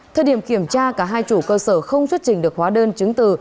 thời điểm kiểm tra cả hai chủ cơ sở không xuất trình được hóa đơn chứng từ